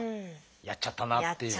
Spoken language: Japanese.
やっちゃったなっていう。